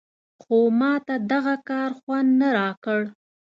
خو ماته دغه کار خوند نه راکړ.